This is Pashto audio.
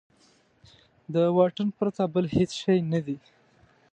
د واټن پرته بل هېڅ شی نه دی.